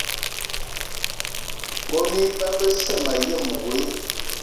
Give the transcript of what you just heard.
Kone iba besse mayen woe.